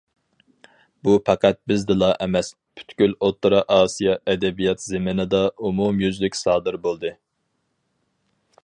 بۇ پەقەت بىزدىلا ئەمەس، پۈتكۈل ئوتتۇرا ئاسىيا ئەدەبىيات زېمىنىدا ئومۇميۈزلۈك سادىر بولدى.